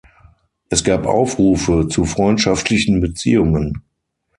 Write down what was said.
Es gab Aufrufe zu freundschaftlichen Beziehungen.